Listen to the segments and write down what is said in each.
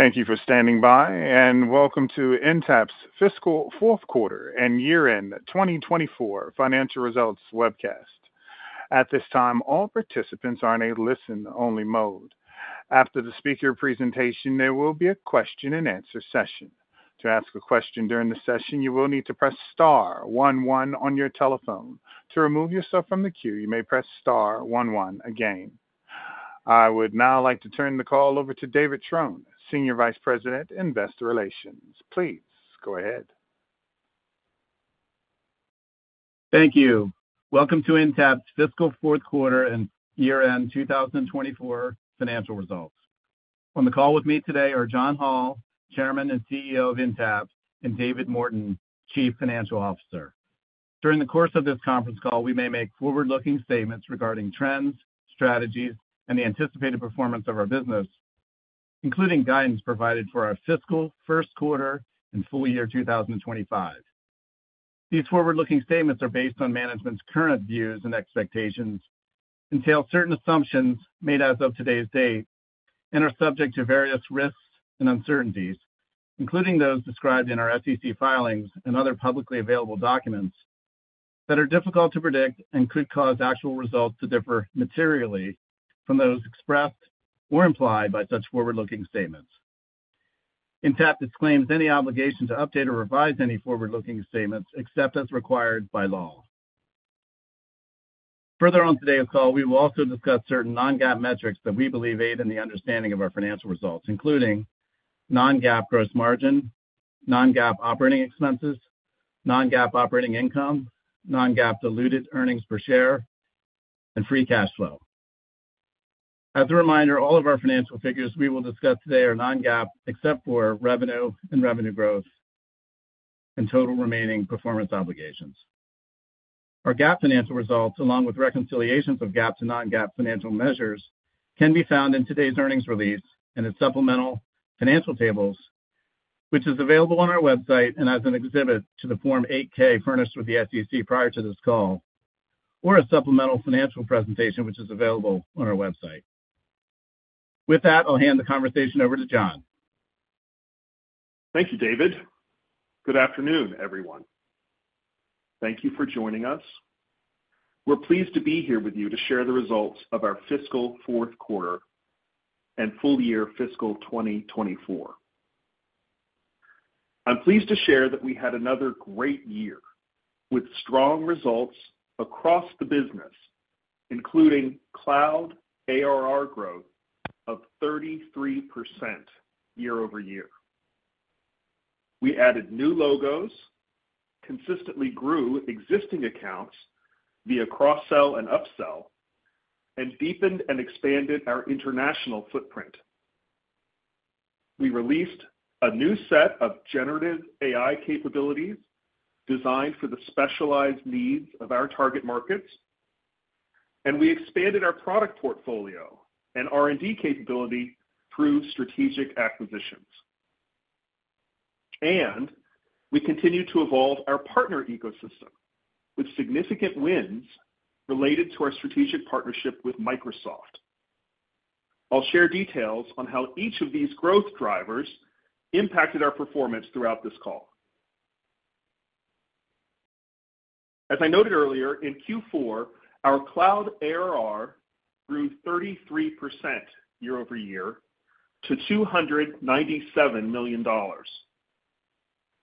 Thank you for standing by, and welcome to Intapp's fiscal fourth quarter and year-end 2024 financial results webcast. At this time, all participants are in a listen-only mode. After the speaker presentation, there will be a question-and-answer session. To ask a question during the session, you will need to press star one one on your telephone. To remove yourself from the queue, you may press star one one again. I would now like to turn the call over to David Trone, Senior Vice President, Investor Relations. Please go ahead. Thank you. Welcome to Intapp's fiscal fourth quarter and year-end 2024 financial results. On the call with me today are John Hall, Chairman and CEO of Intapp, and David Morton, Chief Financial Officer. During the course of this conference call, we may make forward-looking statements regarding trends, strategies, and the anticipated performance of our business, including guidance provided for our fiscal first quarter and full year 2025. These forward-looking statements are based on management's current views and expectations, entail certain assumptions made as of today's date, and are subject to various risks and uncertainties, including those described in our SEC filings and other publicly available documents that are difficult to predict and could cause actual results to differ materially from those expressed or implied by such forward-looking statements. Intapp disclaims any obligation to update or revise any forward-looking statements, except as required by law. Further on today's call, we will also discuss certain non-GAAP metrics that we believe aid in the understanding of our financial results, including non-GAAP gross margin, non-GAAP operating expenses, non-GAAP operating income, non-GAAP diluted earnings per share, and free cash flow. As a reminder, all of our financial figures we will discuss today are non-GAAP, except for revenue and revenue growth and total remaining performance obligations. Our GAAP financial results, along with reconciliations of GAAP to non-GAAP financial measures, can be found in today's earnings release and in supplemental financial tables, which is available on our website and as an exhibit to the Form 8-K furnished with the SEC prior to this call, or a supplemental financial presentation, which is available on our website. With that, I'll hand the conversation over to John. Thank you, David. Good afternoon, everyone. Thank you for joining us. We're pleased to be here with you to share the results of our fiscal fourth quarter and full year fiscal 2024. I'm pleased to share that we had another great year with strong results across the business, including cloud ARR growth of 33% year-over-year. We added new logos, consistently grew existing accounts via cross-sell and upsell, and deepened and expanded our international footprint. We released a new set of generative AI capabilities designed for the specialized needs of our target markets, and we expanded our product portfolio and R&D capability through strategic acquisitions. We continued to evolve our partner ecosystem with significant wins related to our strategic partnership with Microsoft. I'll share details on how each of these growth drivers impacted our performance throughout this call. As I noted earlier, in Q4, our cloud ARR grew 33% year-over-year to $297 million.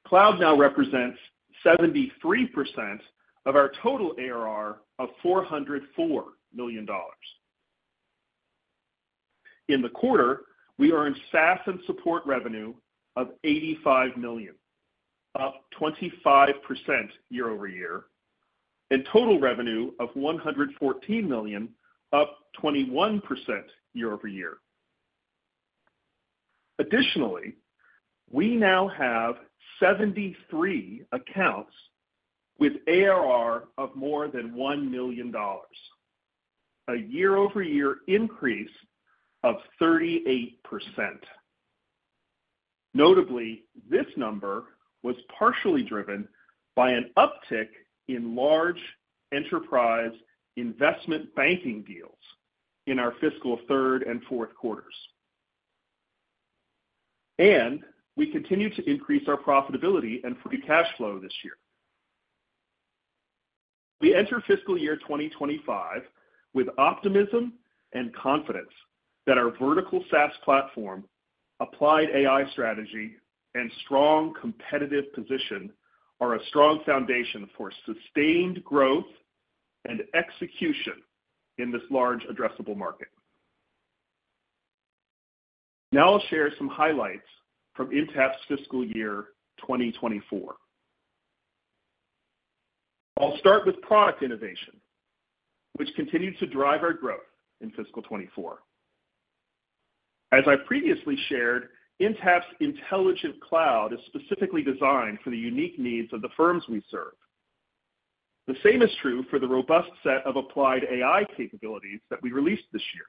Cloud now represents 73% of our total ARR of $404 million. In the quarter, we earned SaaS and support revenue of $85 million, up 25% year-over-year, and total revenue of $114 million, up 21% year-over-year. Additionally, we now have 73 accounts with ARR of more than $1 million, a year-over-year increase of 38%. Notably, this number was partially driven by an uptick in large enterprise investment banking deals in our fiscal third and fourth quarters. We continued to increase our profitability and free cash flow this year. We enter fiscal year 2025 with optimism and confidence that our Vertical SaaS platform, applied AI strategy, and strong competitive position are a strong foundation for sustained growth and execution in this large addressable market. Now I'll share some highlights from Intapp's fiscal year 2024. I'll start with product innovation, which continued to drive our growth in fiscal 2024. As I previously shared, Intapp's Intelligent Cloud is specifically designed for the unique needs of the firms we serve. The same is true for the robust set of applied AI capabilities that we released this year,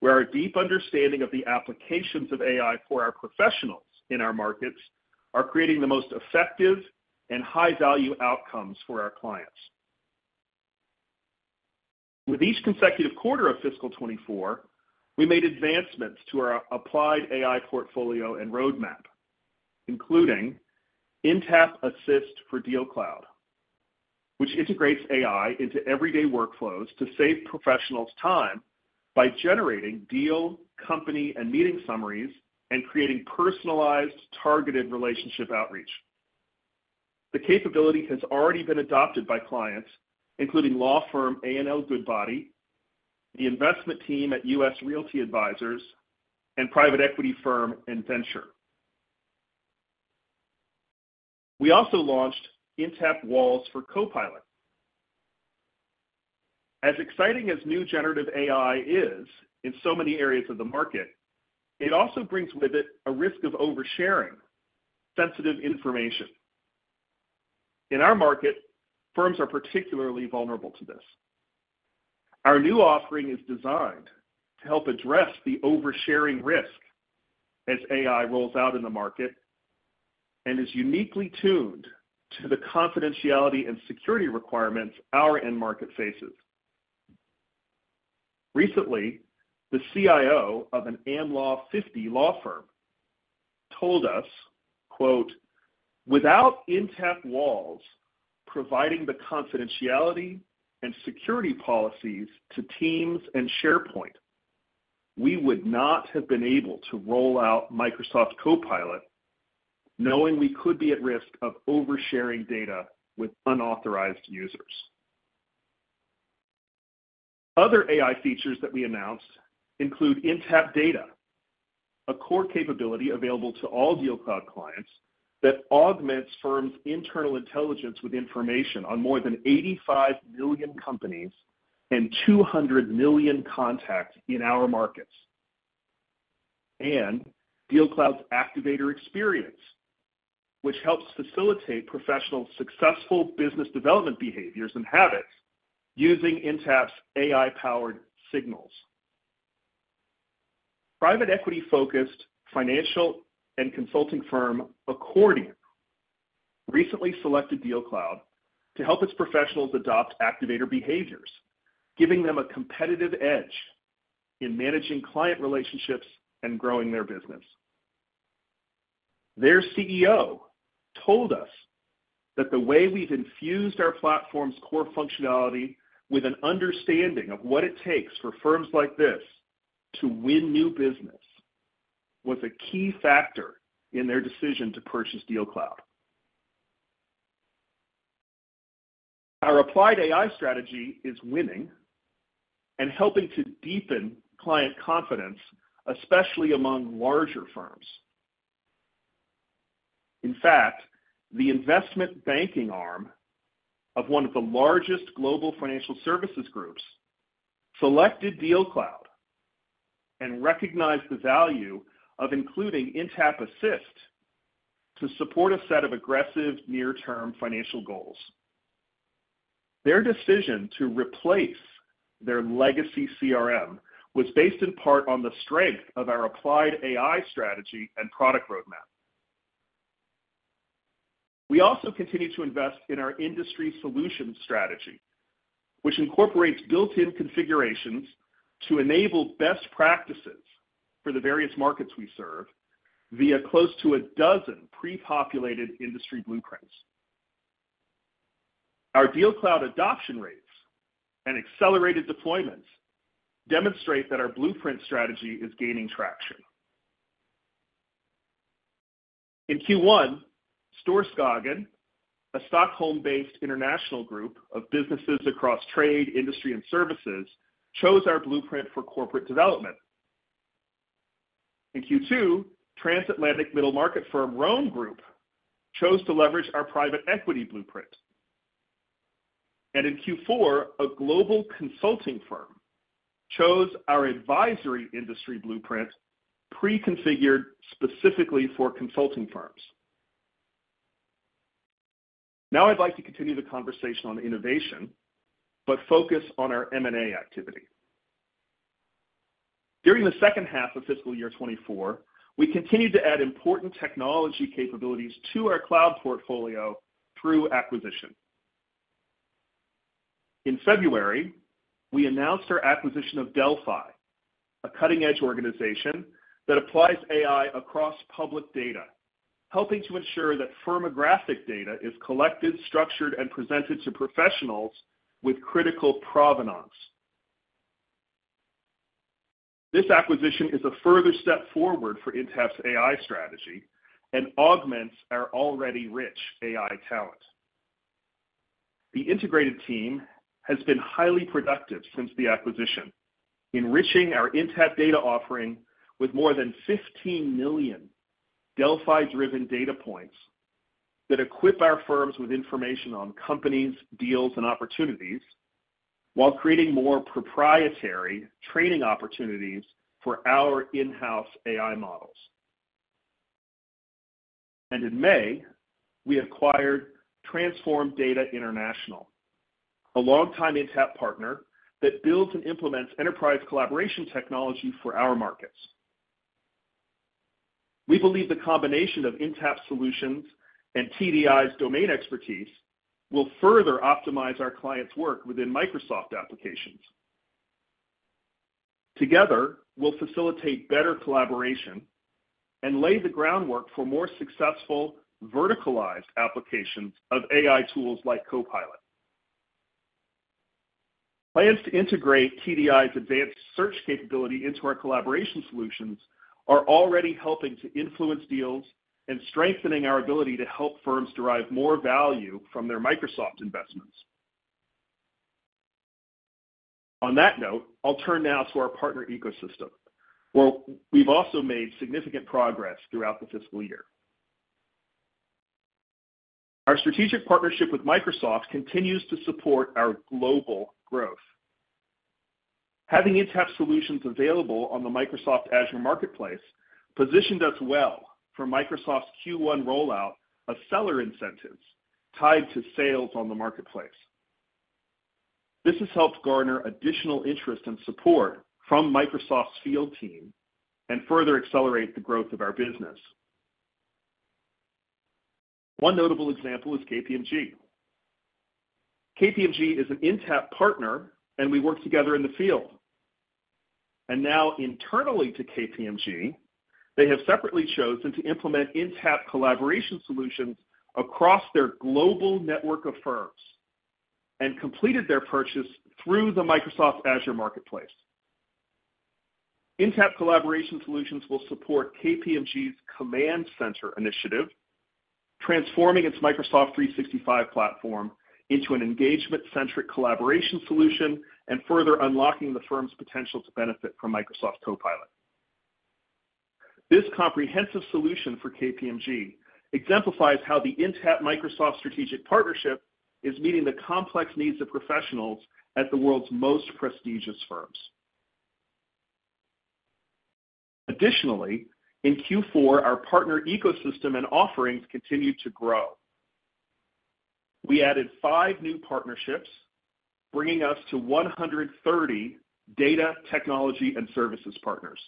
where our deep understanding of the applications of AI for our professionals in our markets are creating the most effective and high-value outcomes for our clients.... With each consecutive quarter of fiscal 2024, we made advancements to our applied AI portfolio and roadmap, including Intapp Assist for DealCloud, which integrates AI into everyday workflows to save professionals time by generating deal, company, and meeting summaries and creating personalized, targeted relationship outreach. The capability has already been adopted by clients, including law firm A&L Goodbody, the investment team at US Realty Advisors, and private equity firm Enventure. We also launched Intapp Walls for Copilot. As exciting as new generative AI is in so many areas of the market, it also brings with it a risk of oversharing sensitive information. In our market, firms are particularly vulnerable to this. Our new offering is designed to help address the oversharing risk as AI rolls out in the market and is uniquely tuned to the confidentiality and security requirements our end market faces. Recently, the CIO of an Am Law 50 law firm told us, quote, "Without Intapp Walls providing the confidentiality and security policies to Teams and SharePoint, we would not have been able to roll out Microsoft Copilot, knowing we could be at risk of oversharing data with unauthorized users." Other AI features that we announced include Intapp Data, a core capability available to all DealCloud clients that augments firms' internal intelligence with information on more than 85 million companies and 200 million contacts in our markets. DealCloud Activator Experience, which helps facilitate professional, successful business development behaviors and habits using Intapp's AI-powered signals. Private equity-focused financial and consulting firm, Accordion, recently selected DealCloud to help its professionals adopt activator behaviors, giving them a competitive edge in managing client relationships and growing their business. Their CEO told us that the way we've infused our platform's core functionality with an understanding of what it takes for firms like this to win new business, was a key factor in their decision to purchase DealCloud. Our Applied AI strategy is winning and helping to deepen client confidence, especially among larger firms. In fact, the investment banking arm of one of the largest global financial services groups selected DealCloud and recognized the value of including Intapp Assist to support a set of aggressive near-term financial goals. Their decision to replace their legacy CRM was based in part on the strength of our Applied AI strategy and product roadmap. We also continue to invest in our Industry Solutions strategy, which incorporates built-in configurations to enable best practices for the various markets we serve via close to a dozen pre-populated industry blueprints. Our DealCloud adoption rates and accelerated deployments demonstrate that our Blueprint strategy is gaining traction. In Q1, Storskogen, a Stockholm-based international group of businesses across trade, industry, and services, chose our Blueprint for corporate development. In Q2, transatlantic middle market firm, Rhône Group, chose to leverage our private equity Blueprint. And in Q4, a global consulting firm chose our advisory industry Blueprint, preconfigured specifically for consulting firms. Now, I'd like to continue the conversation on innovation, but focus on our M&A activity. During the second half of fiscal year 2024, we continued to add important technology capabilities to our cloud portfolio through acquisition. In February, we announced our acquisition of delphai, a cutting-edge organization that applies AI across public data, helping to ensure that firmographic data is collected, structured, and presented to professionals with critical provenance. This acquisition is a further step forward for Intapp's AI strategy and augments our already rich AI talent. The integrated team has been highly productive since the acquisition, enriching our Intapp data offering with more than 15 million delphai-driven data points that equip our firms with information on companies, deals, and opportunities, while creating more proprietary training opportunities for our in-house AI models. In May, we acquired Transform Data International, a long-time Intapp partner that builds and implements enterprise collaboration technology for our markets. We believe the combination of Intapp solutions and TDI's domain expertise will further optimize our clients' work within Microsoft applications. Together, we'll facilitate better collaboration and lay the groundwork for more successful verticalized applications of AI tools like Copilot. Plans to integrate TDI's advanced search capability into our collaboration solutions are already helping to influence deals and strengthening our ability to help firms derive more value from their Microsoft investments. On that note, I'll turn now to our partner ecosystem, where we've also made significant progress throughout the fiscal year. Our strategic partnership with Microsoft continues to support our global growth. Having Intapp solutions available on the Microsoft Azure Marketplace positioned us well for Microsoft's Q1 rollout of seller incentives tied to sales on the marketplace. This has helped garner additional interest and support from Microsoft's field team and further accelerate the growth of our business. One notable example is KPMG. KPMG is an Intapp partner, and we work together in the field. Now internally to KPMG, they have separately chosen to implement Intapp Collaboration solutions across their global network of firms and completed their purchase through the Microsoft Azure Marketplace. Intapp Collaboration solutions will support KPMG's command center initiative, transforming its Microsoft 365 platform into an engagement-centric collaboration solution and further unlocking the firm's potential to benefit from Microsoft Copilot. This comprehensive solution for KPMG exemplifies how the Intapp-Microsoft strategic partnership is meeting the complex needs of professionals at the world's most prestigious firms. Additionally, in Q4, our partner ecosystem and offerings continued to grow. We added five new partnerships, bringing us to 130 data, technology, and services partners.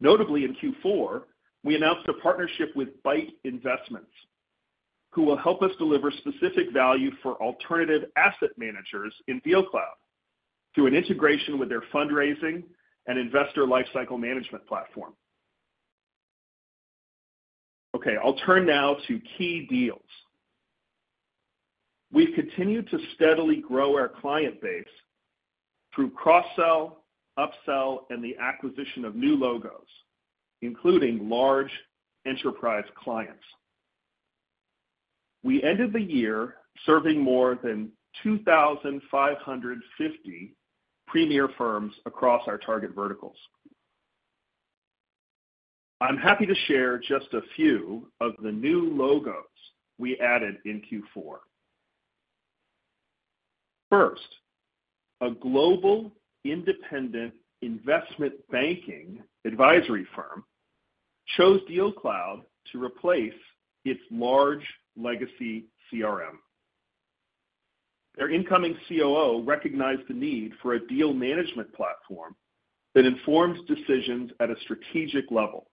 Notably, in Q4, we announced a partnership with Bite Investments, who will help us deliver specific value for alternative asset managers in DealCloud through an integration with their fundraising and investor lifecycle management platform. Okay, I'll turn now to key deals. We've continued to steadily grow our client base through cross-sell, upsell, and the acquisition of new logos, including large enterprise clients. We ended the year serving more than 2,550 premier firms across our target verticals. I'm happy to share just a few of the new logos we added in Q4. First, a global independent investment banking advisory firm chose DealCloud to replace its large legacy CRM. Their incoming COO recognized the need for a deal management platform that informs decisions at a strategic level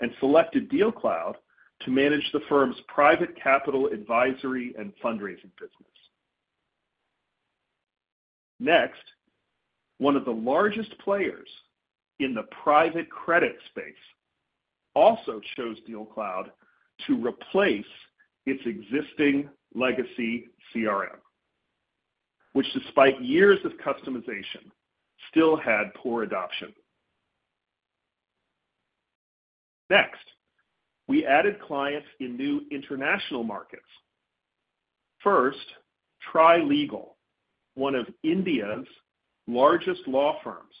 and selected DealCloud to manage the firm's private capital advisory and fundraising business. Next, one of the largest players in the private credit space also chose DealCloud to replace its existing legacy CRM, which, despite years of customization, still had poor adoption. Next, we added clients in new international markets. First, Trilegal, one of India's largest law firms,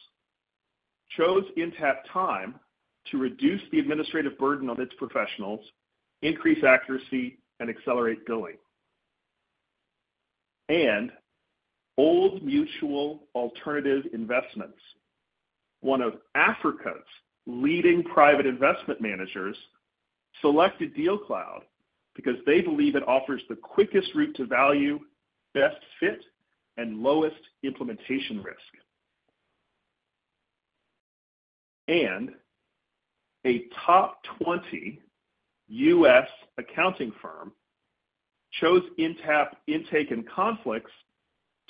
chose Intapp Time to reduce the administrative burden of its professionals, increase accuracy, and accelerate billing. Old Mutual Alternative Investments, one of Africa's leading private investment managers, selected DealCloud because they believe it offers the quickest route to value, best fit, and lowest implementation risk. A top 20 US accounting firm chose Intapp Intake and Conflicts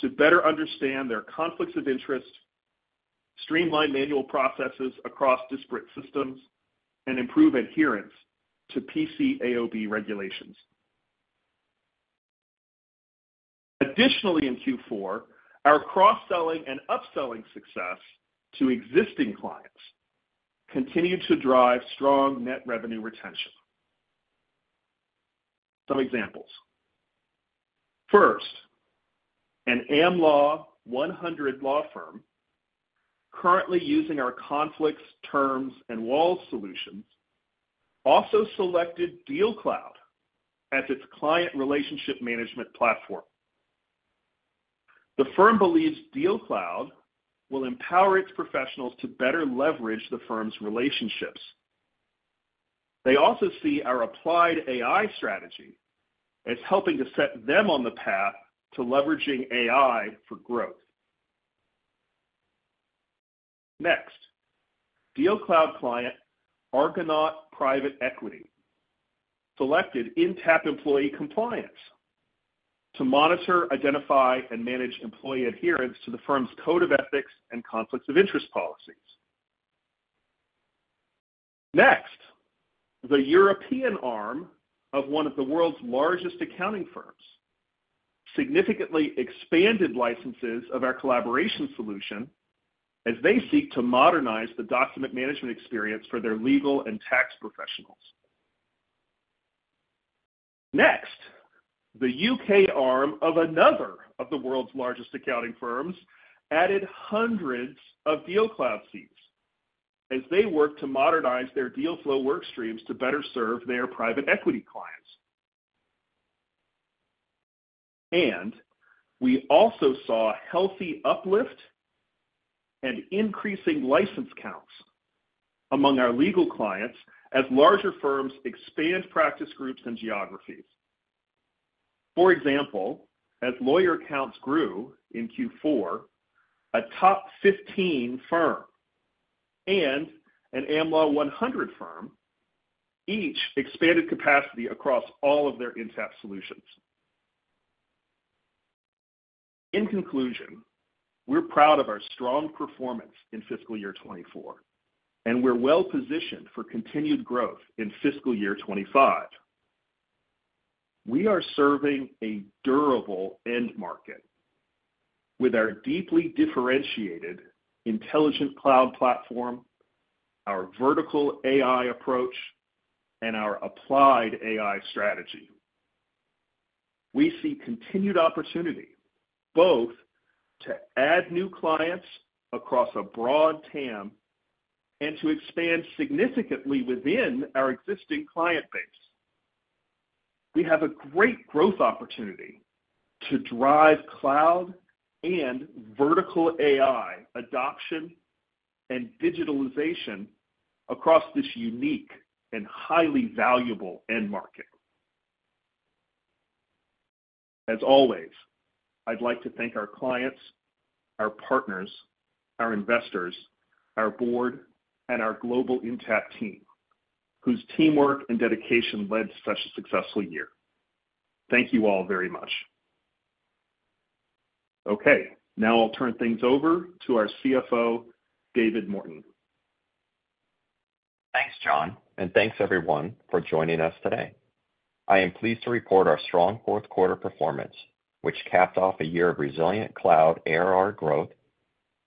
to better understand their conflicts of interest, streamline manual processes across disparate systems, and improve adherence to PCAOB regulations. Additionally, in Q4, our cross-selling and upselling success to existing clients continued to drive strong net revenue retention. Some examples. First, an Am Law 100 law firm, currently using our Conflicts, Terms, and Walls solutions, also selected DealCloud as its client relationship management platform. The firm believes DealCloud will empower its professionals to better leverage the firm's relationships.... They also see our Applied AI strategy as helping to set them on the path to leveraging AI for growth. Next, DealCloud client, Argonaut Private Equity, selected Intapp Employee Compliance to monitor, identify, and manage employee adherence to the firm's code of ethics and conflicts of interest policies. Next, the European arm of one of the world's largest accounting firms significantly expanded licenses of our collaboration solution as they seek to modernize the document management experience for their legal and tax professionals. Next, the UK arm of another of the world's largest accounting firms added hundreds of DealCloud seats as they work to modernize their deal flow work streams to better serve their private equity clients. And we also saw healthy uplift and increasing license counts among our legal clients as larger firms expand practice groups and geographies. For example, as lawyer counts grew in Q4, a top 15 firm and an Am Law 100 firm, each expanded capacity across all of their Intapp solutions. In conclusion, we're proud of our strong performance in fiscal year 2024, and we're well positioned for continued growth in fiscal year 2025. We are serving a durable end market with our deeply differentiated intelligent cloud platform, our vertical AI approach, and our applied AI strategy. We see continued opportunity both to add new clients across a broad TAM and to expand significantly within our existing client base. We have a great growth opportunity to drive cloud and vertical AI adoption and digitalization across this unique and highly valuable end market. As always, I'd like to thank our clients, our partners, our investors, our board, and our global Intapp team, whose teamwork and dedication led to such a successful year. Thank you all very much. Okay, now I'll turn things over to our CFO, David Morton. Thanks, John, and thanks, everyone, for joining us today. I am pleased to report our strong fourth quarter performance, which capped off a year of resilient cloud ARR growth,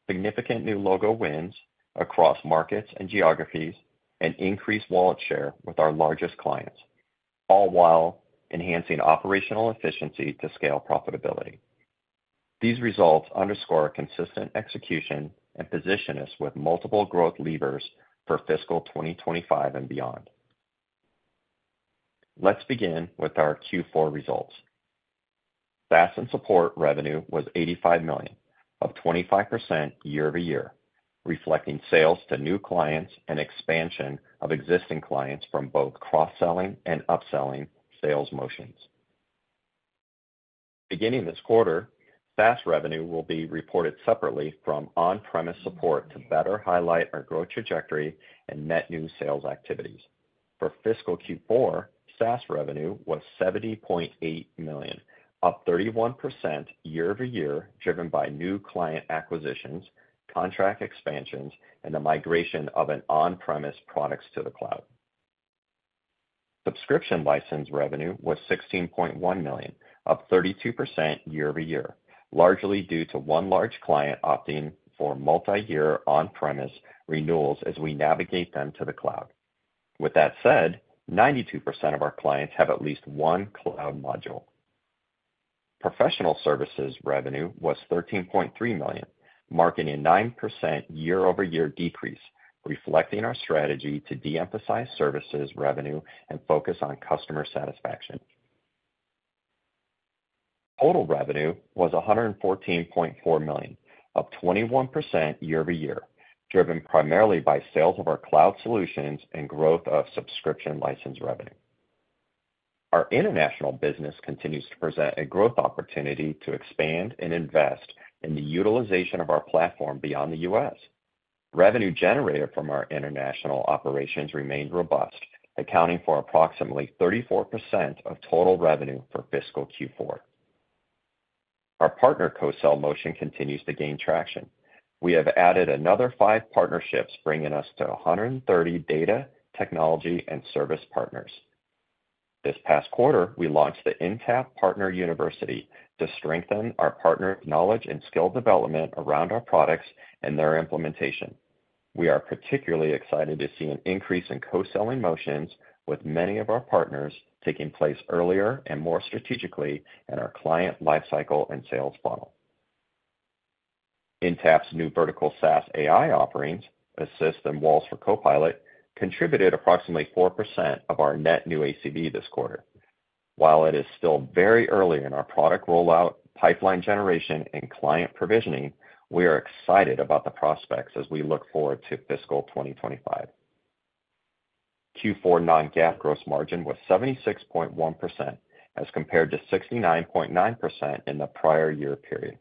significant new logo wins across markets and geographies, and increased wallet share with our largest clients, all while enhancing operational efficiency to scale profitability. These results underscore consistent execution and position us with multiple growth levers for fiscal 2025 and beyond. Let's begin with our Q4 results. SaaS and support revenue was $85 million, up 25% year-over-year, reflecting sales to new clients and expansion of existing clients from both cross-selling and upselling sales motions. Beginning this quarter, SaaS revenue will be reported separately from on-premise support to better highlight our growth trajectory and net new sales activities. For fiscal Q4, SaaS revenue was $70.8 million, up 31% year-over-year, driven by new client acquisitions, contract expansions, and the migration of an on-premise products to the cloud. Subscription license revenue was $16.1 million, up 32% year-over-year, largely due to one large client opting for multiyear on-premise renewals as we navigate them to the cloud. With that said, 92% of our clients have at least one cloud module. Professional services revenue was $13.3 million, marking a 9% year-over-year decrease, reflecting our strategy to de-emphasize services revenue and focus on customer satisfaction. Total revenue was $114.4 million, up 21% year-over-year, driven primarily by sales of our cloud solutions and growth of subscription license revenue. Our international business continues to present a growth opportunity to expand and invest in the utilization of our platform beyond the U.S. Revenue generated from our international operations remained robust, accounting for approximately 34% of total revenue for fiscal Q4. Our partner co-sell motion continues to gain traction. We have added another 5 partnerships, bringing us to 130 data, technology, and service partners. This past quarter, we launched the Intapp Partner University to strengthen our partner knowledge and skill development around our products and their implementation. We are particularly excited to see an increase in co-selling motions, with many of our partners taking place earlier and more strategically in our client lifecycle and sales funnel. Intapp's new vertical SaaS AI offerings, Assist and Walls for Copilot, contributed approximately 4% of our net new ACV this quarter.... While it is still very early in our product rollout, pipeline generation, and client provisioning, we are excited about the prospects as we look forward to fiscal 2025. Q4 non-GAAP gross margin was 76.1%, as compared to 69.9% in the prior year period.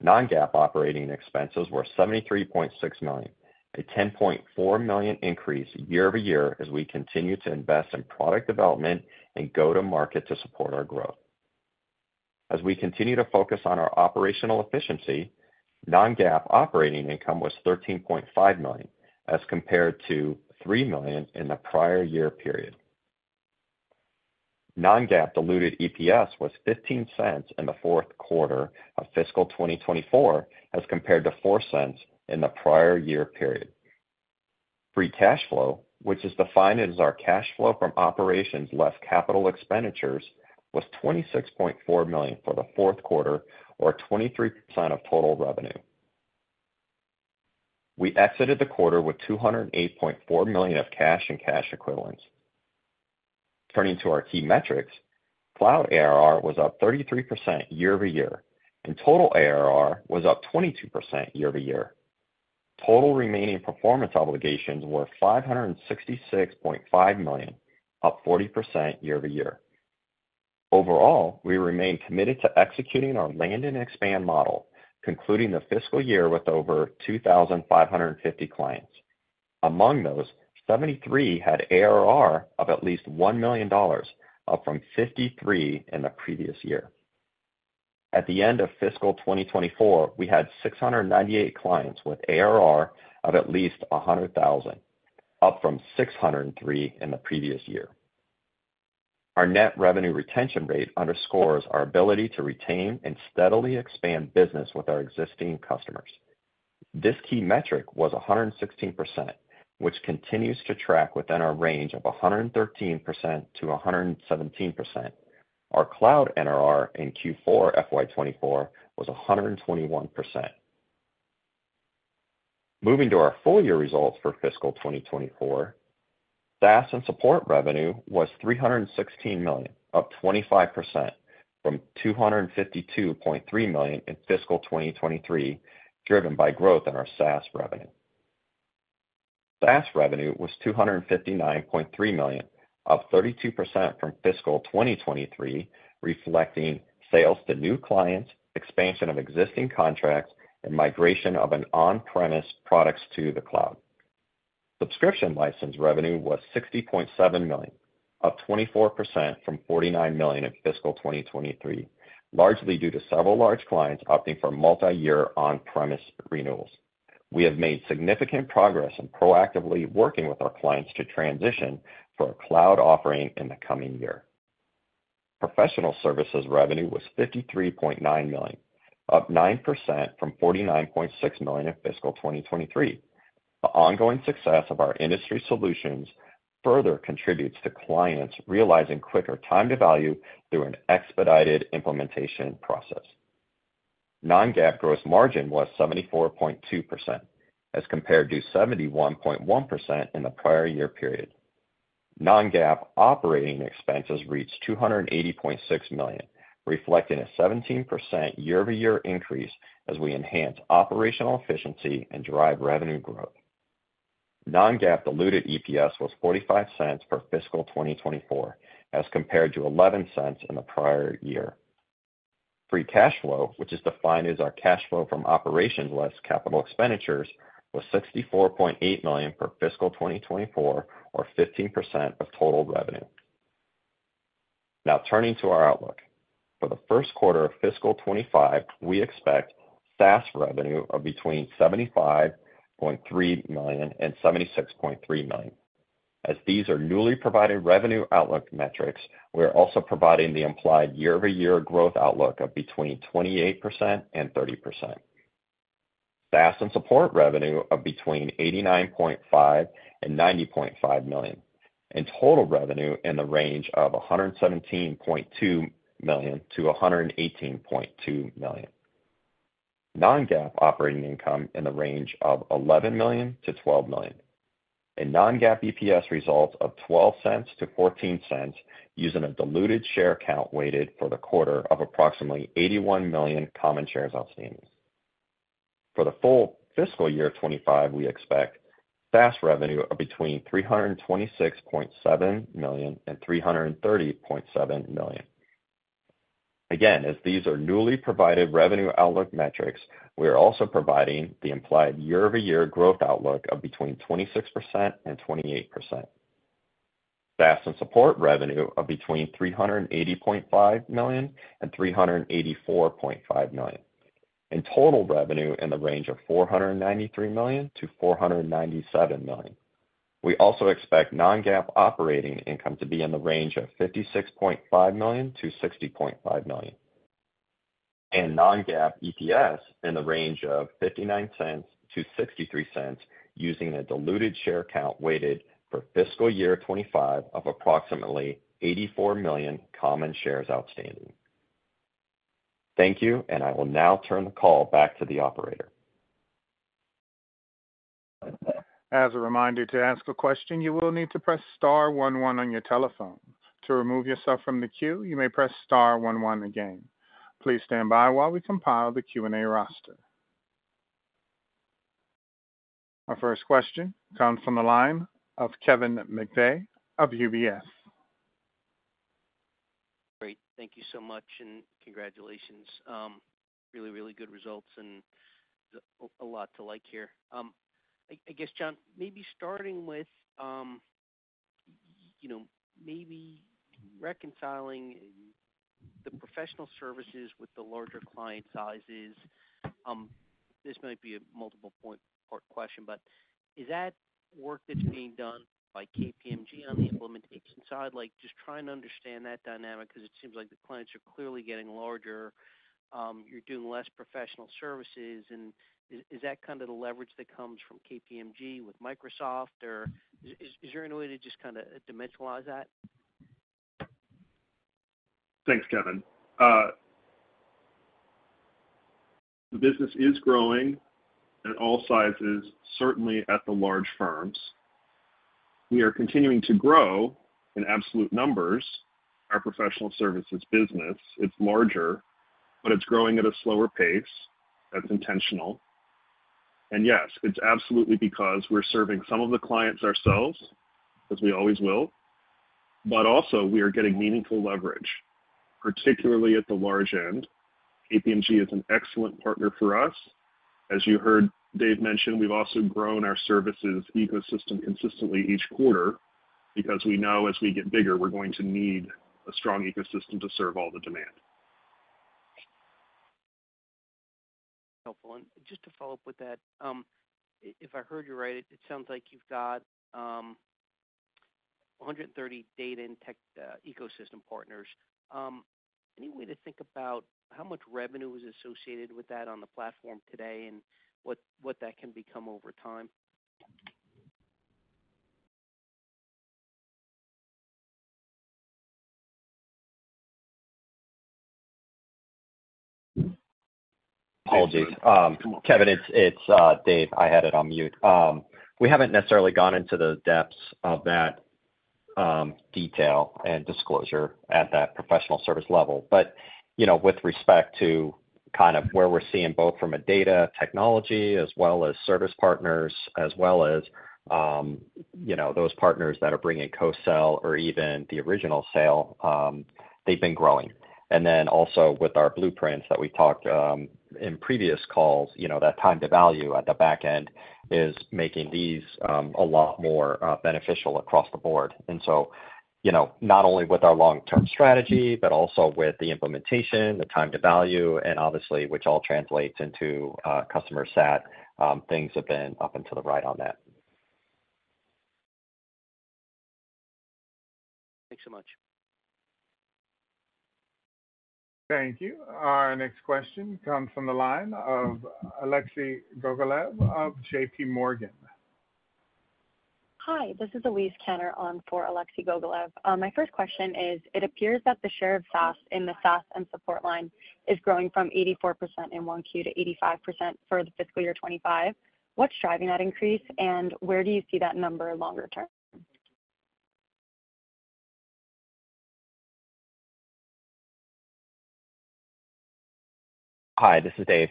Non-GAAP operating expenses were $73.6 million, a $10.4 million increase year-over-year, as we continue to invest in product development and go-to-market to support our growth. As we continue to focus on our operational efficiency, non-GAAP operating income was $13.5 million, as compared to $3 million in the prior year period. Non-GAAP diluted EPS was $0.15 in the fourth quarter of fiscal 2024, as compared to $0.04 in the prior year period. Free cash flow, which is defined as our cash flow from operations less capital expenditures, was $26.4 million for the fourth quarter or 23% of total revenue. We exited the quarter with $208.4 million of cash and cash equivalents. Turning to our key metrics, cloud ARR was up 33% year-over-year, and total ARR was up 22% year-over-year. Total remaining performance obligations were $566.5 million, up 40% year-over-year. Overall, we remain committed to executing our land and expand model, concluding the fiscal year with over 2,550 clients. Among those, 73 had ARR of at least $1 million, up from 53 in the previous year. At the end of fiscal 2024, we had 698 clients with ARR of at least $100,000, up from 603 in the previous year. Our net revenue retention rate underscores our ability to retain and steadily expand business with our existing customers. This key metric was 116%, which continues to track within our range of 113%-117%. Our cloud NRR in Q4 FY 2024 was 121%. Moving to our full year results for fiscal 2024, SaaS and support revenue was $316 million, up 25% from $252.3 million in fiscal 2023, driven by growth in our SaaS revenue. SaaS revenue was $259.3 million, up 32% from fiscal 2023, reflecting sales to new clients, expansion of existing contracts, and migration of an on-premise products to the cloud. Subscription license revenue was $60.7 million, up 24% from $49 million in fiscal 2023, largely due to several large clients opting for multiyear on-premise renewals. We have made significant progress in proactively working with our clients to transition for a cloud offering in the coming year. Professional services revenue was $53.9 million, up 9% from $49.6 million in fiscal 2023. The ongoing success of our industry solutions further contributes to clients realizing quicker time to value through an expedited implementation process. Non-GAAP gross margin was 74.2%, as compared to 71.1% in the prior year period. Non-GAAP operating expenses reached $280.6 million, reflecting a 17% year-over-year increase as we enhance operational efficiency and drive revenue growth. Non-GAAP diluted EPS was $0.45 for fiscal 2024, as compared to $0.11 in the prior year. Free cash flow, which is defined as our cash flow from operations less capital expenditures, was $64.8 million for fiscal 2024, or 15% of total revenue. Now, turning to our outlook. For the first quarter of fiscal 2025, we expect SaaS revenue of between $75.3 million and $76.3 million. As these are newly provided revenue outlook metrics, we are also providing the implied year-over-year growth outlook of between 28% and 30%. SaaS and support revenue of between $89.5 million and $90.5 million, and total revenue in the range of $117.2 million to $118.2 million. Non-GAAP operating income in the range of $11 million-$12 million, and non-GAAP EPS results of $0.12-$0.14, using a diluted share count weighted for the quarter of approximately 81 million common shares outstanding. For the full fiscal year 2025, we expect SaaS revenue of between $326.7 million and $330.7 million. Again, as these are newly provided revenue outlook metrics, we are also providing the implied year-over-year growth outlook of between 26% and 28%. SaaS and support revenue of between $380.5 million and $384.5 million, and total revenue in the range of $493 million to $497 million. We also expect non-GAAP operating income to be in the range of $56.5 million to $60.5 million, and non-GAAP EPS in the range of $0.59 to $0.63, using a diluted share count weighted for fiscal year 2025 of approximately 84 million common shares outstanding. Thank you, and I will now turn the call back to the operator.... As a reminder, to ask a question, you will need to press star one one on your telephone. To remove yourself from the queue, you may press star one one again. Please stand by while we compile the Q&A roster. Our first question comes from the line of Kevin McVeigh of UBS. Great. Thank you so much, and congratulations. Really, really good results and a lot to like here. I guess, John, maybe starting with, you know, maybe reconciling the professional services with the larger client sizes. This might be a multiple point part question, but is that work that's being done by KPMG on the implementation side? Like, just trying to understand that dynamic, 'cause it seems like the clients are clearly getting larger, you're doing less professional services, and is that kind of the leverage that comes from KPMG with Microsoft? Or is there any way to just kinda dimensionalize that? Thanks, Kevin. The business is growing at all sizes, certainly at the large firms. We are continuing to grow, in absolute numbers, our professional services business. It's larger, but it's growing at a slower pace. That's intentional. And yes, it's absolutely because we're serving some of the clients ourselves, as we always will, but also we are getting meaningful leverage, particularly at the large end. KPMG is an excellent partner for us. As you heard Dave mention, we've also grown our services ecosystem consistently each quarter, because we know as we get bigger, we're going to need a strong ecosystem to serve all the demand. Helpful. And just to follow up with that, if I heard you right, it sounds like you've got 130 data and tech ecosystem partners. Any way to think about how much revenue is associated with that on the platform today and what that can become over time? Apologies. Kevin, it's Dave. I had it on mute. We haven't necessarily gone into the depths of that detail and disclosure at that professional service level. But, you know, with respect to kind of where we're seeing both from a data technology as well as service partners, as well as, you know, those partners that are bringing co-sell or even the original sale, they've been growing. And then also with our blueprints that we talked in previous calls, you know, that time to value at the back end is making these a lot more beneficial across the board. And so, you know, not only with our long-term strategy, but also with the implementation, the time to value, and obviously, which all translates into customer sat, things have been up into the right on that. Thanks so much. Thank you. Our next question comes from the line of Alexei Gogolev of JP Morgan. Hi, this is Elise Kenner on for Alexei Gogolev. My first question is, it appears that the share of SaaS in the SaaS and support line is growing from 84% in 1Q to 85% for the fiscal year 2025. What's driving that increase, and where do you see that number longer term? Hi, this is Dave.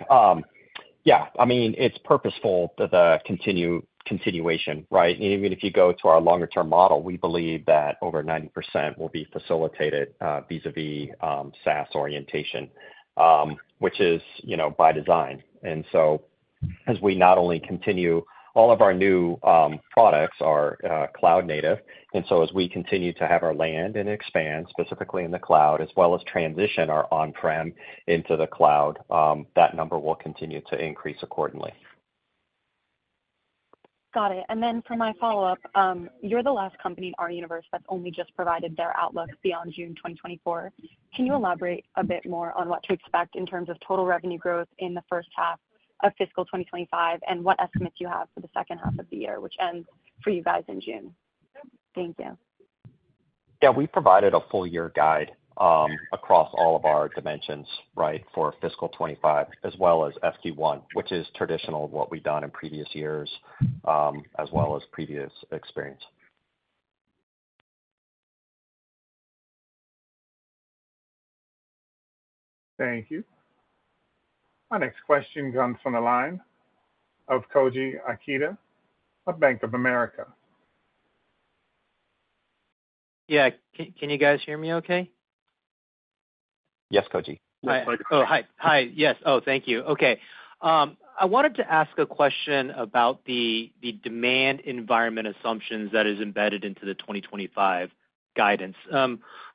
Yeah, I mean, it's purposeful that the continuation, right? And even if you go to our longer-term model, we believe that over 90% will be facilitated vis-a-vis SaaS orientation, which is, you know, by design. And so as we not only continue, all of our new products are cloud native, and so as we continue to have our land and expand, specifically in the cloud, as well as transition our on-prem into the cloud, that number will continue to increase accordingly. Got it. For my follow-up, you're the last company in our universe that's only just provided their outlook beyond June 2024. Can you elaborate a bit more on what to expect in terms of total revenue growth in the first half of fiscal 2025, and what estimates you have for the second half of the year, which ends for you guys in June? Thank you. Yeah, we provided a full year guide across all of our dimensions, right, for fiscal 2025 as well as FY1, which is traditional of what we've done in previous years, as well as previous experience. Thank you. Our next question comes from the line of Koji Ikeda of Bank of America. Yeah, can you guys hear me okay? Yes, Koji. Yes. Oh, hi. Hi. Yes. Oh, thank you. Okay, I wanted to ask a question about the demand environment assumptions that is embedded into the 2025 guidance.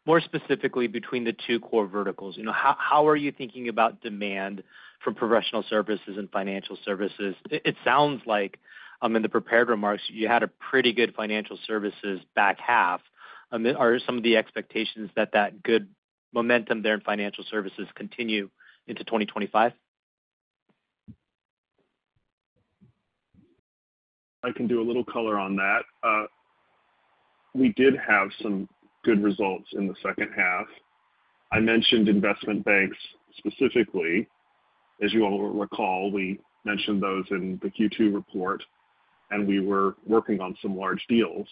More specifically, between the two core verticals, you know, how are you thinking about demand from professional services and financial services? It sounds like, in the prepared remarks, you had a pretty good financial services back half. I mean, are some of the expectations that that good momentum there in financial services continue into 2025? I can do a little color on that. We did have some good results in the second half. I mentioned investment banks specifically. As you all recall, we mentioned those in the Q2 report, and we were working on some large deals,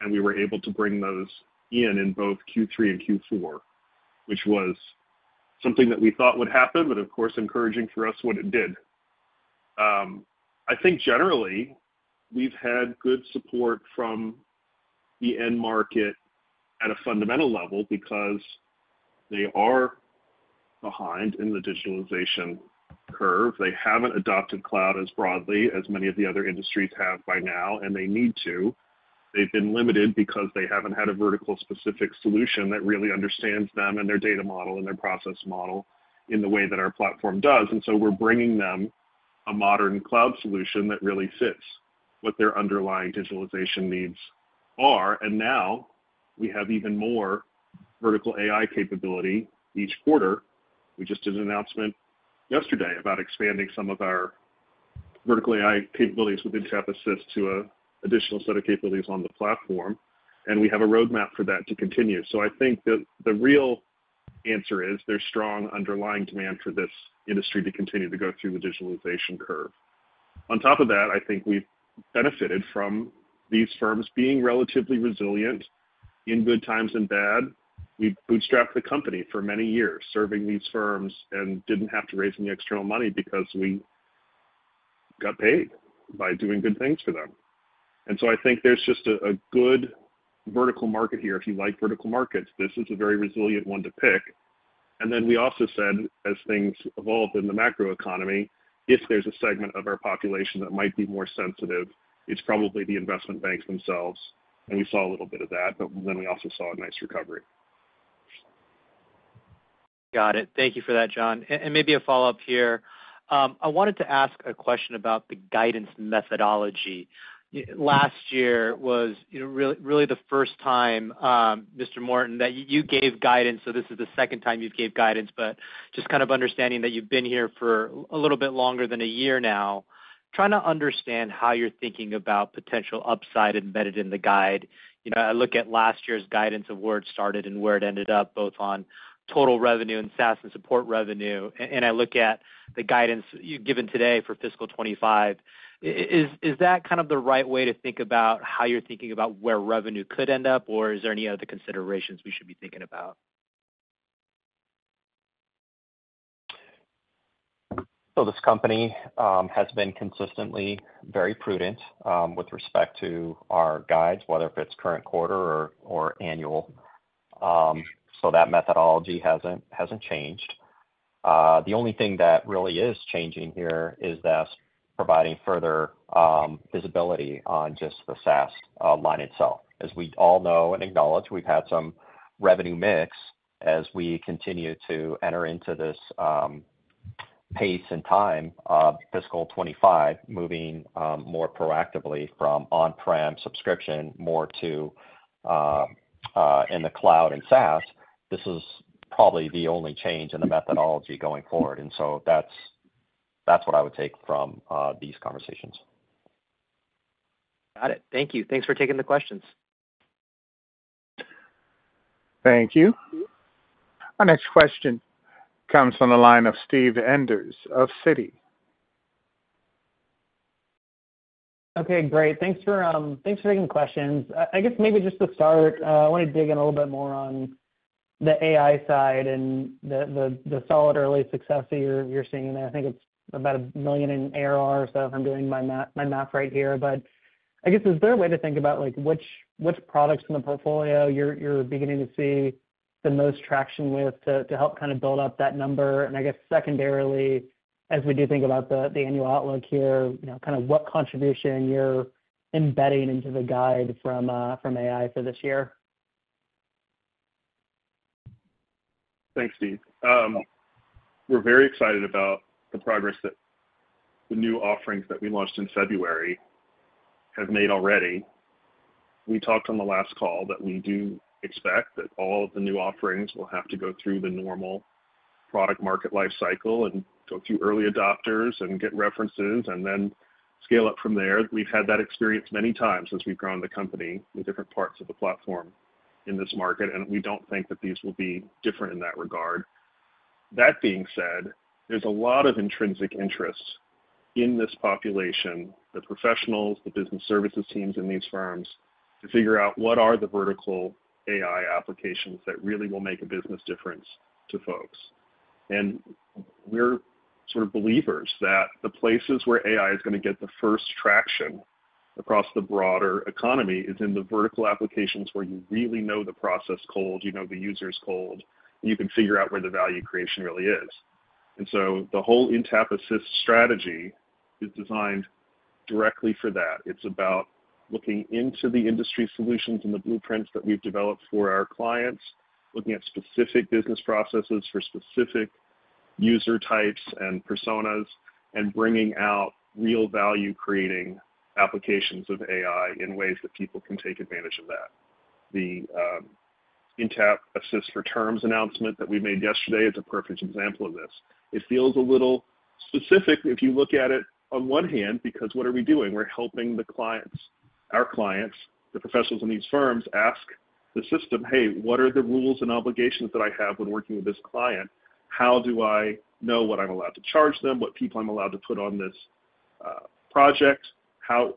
and we were able to bring those in, in both Q3 and Q4, which was something that we thought would happen, but of course, encouraging for us when it did. I think generally, we've had good support from the end market at a fundamental level because they are behind in the digitalization curve. They haven't adopted cloud as broadly as many of the other industries have by now, and they need to. They've been limited because they haven't had a vertical-specific solution that really understands them and their data model and their process model in the way that our platform does. And so we're bringing them a modern cloud solution that really fits what their underlying digitalization needs are. And now we have even more vertical AI capability each quarter. We just did an announcement yesterday about expanding some of our vertical AI capabilities with Intapp Assist to an additional set of capabilities on the platform, and we have a roadmap for that to continue. So I think that the real answer is there's strong underlying demand for this industry to continue to go through the digitalization curve. On top of that, I think we've benefited from these firms being relatively resilient in good times and bad. We bootstrapped the company for many years, serving these firms and didn't have to raise any external money because we got paid by doing good things for them. And so I think there's just a good vertical market here. If you like vertical markets, this is a very resilient one to pick. Then we also said, as things evolve in the macroeconomy, if there's a segment of our population that might be more sensitive, it's probably the investment banks themselves, and we saw a little bit of that, but then we also saw a nice recovery. Got it. Thank you for that, John. And maybe a follow-up here. I wanted to ask a question about the guidance methodology. Last year was, you know, really, really the first time, Mr. Morton, that you gave guidance, so this is the second time you've gave guidance, but just kind of understanding that you've been here for a little bit longer than a year now, trying to understand how you're thinking about potential upside embedded in the guide. You know, I look at last year's guidance of where it started and where it ended up, both on total revenue and SaaS and support revenue, and I look at the guidance you've given today for fiscal 25. Is that kind of the right way to think about how you're thinking about where revenue could end up, or is there any other considerations we should be thinking about? So this company has been consistently very prudent with respect to our guides, whether if it's current quarter or, or annual. So that methodology hasn't, hasn't changed. The only thing that really is changing here is us providing further visibility on just the SaaS line itself. As we all know and acknowledge, we've had some revenue mix as we continue to enter into this pace and time of fiscal 2025, moving more proactively from on-prem subscription more to in the cloud and SaaS. This is probably the only change in the methodology going forward, and so that's, that's what I would take from these conversations. Got it. Thank you. Thanks for taking the questions. Thank you. Our next question comes from the line of Steve Enders of Citi. Okay, great. Thanks for taking questions. I guess maybe just to start, I want to dig in a little bit more on the AI side and the solid early success that you're seeing there. I think it's about $1 million in ARR, so if I'm doing my math right here. But I guess, is there a way to think about, like, which products in the portfolio you're beginning to see the most traction with, to help kind of build up that number? And I guess secondarily, as we do think about the annual outlook here, you know, kind of what contribution you're embedding into the guide from AI for this year? Thanks, Steve. We're very excited about the progress that the new offerings that we launched in February have made already. We talked on the last call that we do expect that all of the new offerings will have to go through the normal product market life cycle and go through early adopters and get references and then scale up from there. We've had that experience many times as we've grown the company with different parts of the platform in this market, and we don't think that these will be different in that regard. That being said, there's a lot of intrinsic interest in this population, the professionals, the business services teams in these firms, to figure out what are the vertical AI applications that really will make a business difference to folks. We're sort of believers that the places where AI is gonna get the first traction across the broader economy is in the vertical applications, where you really know the process cold, you know the users cold, and you can figure out where the value creation really is. So the whole Intapp Assist strategy is designed directly for that. It's about looking into the industry solutions and the blueprints that we've developed for our clients, looking at specific business processes for specific user types and personas, and bringing out real value-creating applications of AI in ways that people can take advantage of that. The Intapp Assist for Terms announcement that we made yesterday is a perfect example of this. It feels a little specific if you look at it on one hand, because what are we doing? We're helping the clients, our clients, the professionals in these firms, ask the system: "Hey, what are the rules and obligations that I have when working with this client? How do I know what I'm allowed to charge them, what people I'm allowed to put on this, project? How,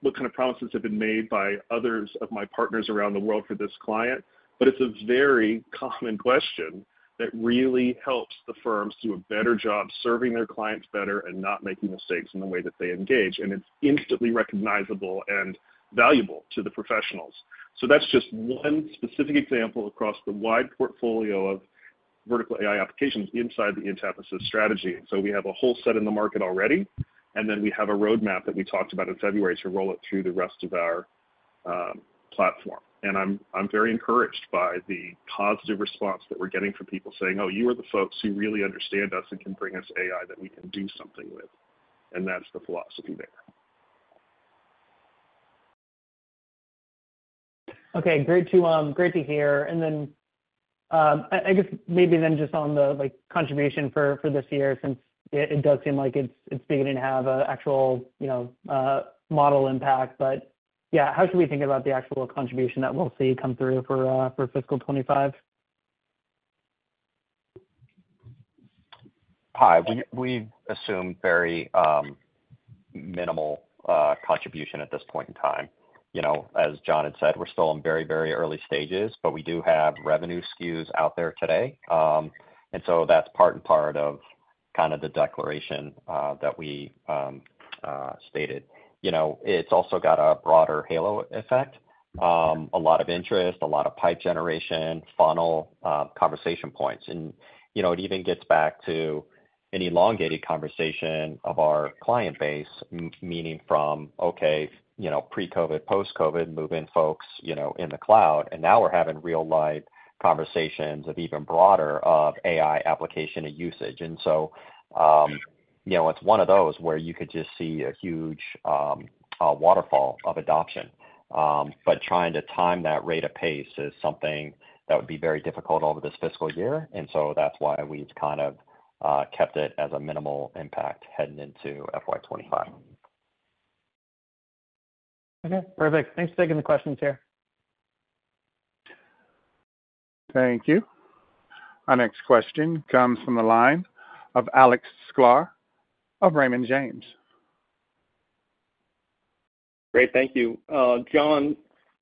what kind of promises have been made by others of my partners around the world for this client?" But it's a very common question that really helps the firms do a better job serving their clients better and not making mistakes in the way that they engage. And it's instantly recognizable and valuable to the professionals. So that's just one specific example across the wide portfolio of vertical AI applications inside the Intapp Assist strategy. So we have a whole set in the market already, and then we have a roadmap that we talked about in February to roll it through the rest of our platform. And I'm very encouraged by the positive response that we're getting from people saying, "Oh, you are the folks who really understand us and can bring us AI that we can do something with." And that's the philosophy there. Okay, great to hear. And then, I guess maybe then just on the, like, contribution for, for this year, since it does seem like it's beginning to have a actual, you know, model impact. But yeah, how should we think about the actual contribution that we'll see come through for, for fiscal 2025? Hi. We assume very minimal contribution at this point in time. You know, as John had said, we're still in very, very early stages, but we do have revenue SKUs out there today. And so that's part and part of kind of the declaration that we stated. You know, it's also got a broader halo effect. A lot of interest, a lot of pipe generation, funnel conversation points. And, you know, it even gets back to an elongated conversation of our client base, meaning from, okay, you know, pre-COVID, post-COVID, moving folks, you know, in the cloud. And now we're having real live conversations of even broader of AI application and usage. And so, you know, it's one of those where you could just see a huge waterfall of adoption. But trying to time that rate of pace is something that would be very difficult over this fiscal year, and so that's why we've kind of kept it as a minimal impact heading into FY 25. Okay, perfect. Thanks for taking the questions here. Thank you. Our next question comes from the line of Alex Sklar of Raymond James. Great, thank you. John,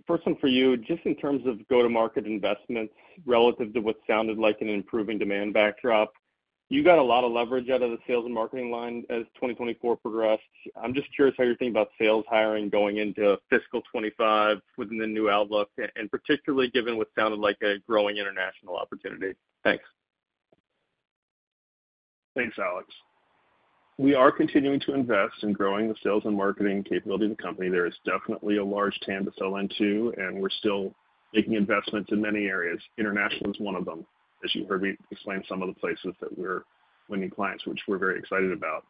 first one for you. Just in terms of go-to-market investments relative to what sounded like an improving demand backdrop, you got a lot of leverage out of the sales and marketing line as 2024 progressed. I'm just curious how you're thinking about sales hiring going into fiscal 2025 within the new outlook, and particularly given what sounded like a growing international opportunity. Thanks. Thanks, Alex. We are continuing to invest in growing the sales and marketing capability of the company. There is definitely a large TAM to sell into, and we're still making investments in many areas. International is one of them. As you heard me explain some of the places that we're winning clients, which we're very excited about.